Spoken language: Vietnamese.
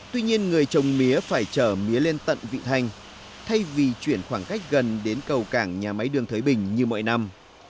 tuy nhiên người trồng mía phải trở mía lên tận vị thanh thay vì chuyển khoảng cách gần đến cầu cảng nhà máy đường thới bình như mọi năm